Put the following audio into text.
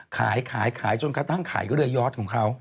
ขายจนกระตั้งขายก็เรียยอดของเขา